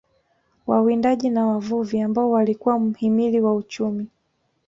Wawindaji na wavuvi ambao walikuwa mhimili wa uchumi